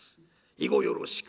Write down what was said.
以後よろしく。